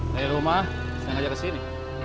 dari rumah saya ngajak kesini